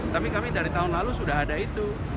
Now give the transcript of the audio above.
tapi kami dari tahun lalu sudah ada itu